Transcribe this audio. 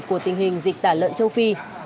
của tình hình dịch tạo lợn châu phi